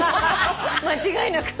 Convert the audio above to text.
間違いなく。